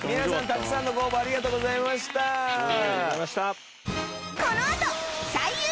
たくさんのご応募ありがとうございました！